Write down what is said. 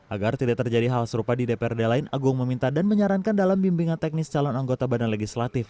agar tidak terjadi hal serupa di dprd lain agung meminta dan menyarankan dalam bimbingan teknis calon anggota badan legislatif